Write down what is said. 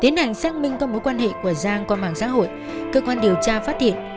tiến hành xác minh các mối quan hệ của giang qua mạng xã hội cơ quan điều tra phát hiện